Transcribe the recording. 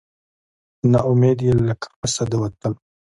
نه امید یې له قفسه د وتلو